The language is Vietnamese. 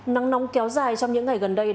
nắng nóng kéo dài trong những ngày gần đây